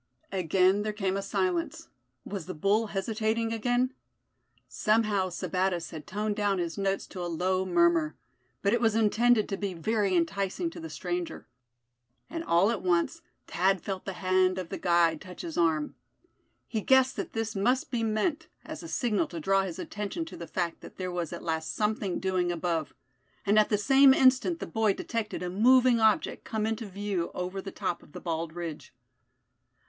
Again there came a silence. Was the bull hesitating again? Somehow Sebattis had toned down his notes to a low murmur; but it was intended to be very enticing to the stranger. And all at once Thad felt the hand of the guide touch his arm. He guessed that this must be meant as a signal to draw his attention to the fact that there was at last something doing above; and at the same instant the boy detected a moving object come into view over the top of the bald ridge.